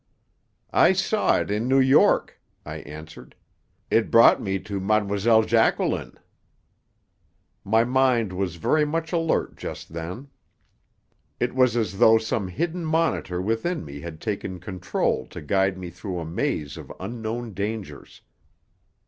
"I saw it in New York," I answered. "It brought me to Mlle. Jacqueline." My mind was very much alert just then. It was as though some hidden monitor within me had taken control to guide me through a maze of unknown dangers.